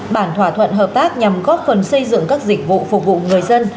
bản thỏa thuận hợp tác nhằm góp phần xây dựng các dịch vụ phục vụ người dân